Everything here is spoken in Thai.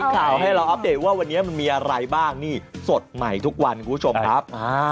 ข่าวให้เราอัปเดตว่าวันนี้มันมีอะไรบ้างนี่สดใหม่ทุกวันคุณผู้ชมครับ